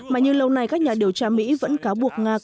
mà như lâu nay các nhà điều tra mỹ vẫn càng